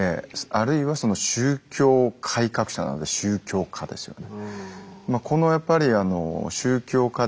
あるいは宗教改革者なので宗教家ですよね。